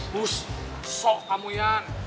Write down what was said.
bus sok kamu ian